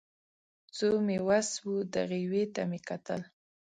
څو مې وس و دغې یوې ته مې کتل